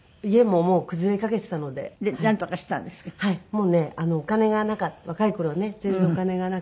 もうねお金がなかった若い頃ね全然お金がなくて。